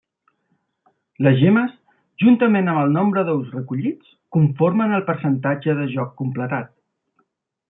Les gemmes, juntament amb el nombre d'ous recollits, conformen el percentatge de joc completat.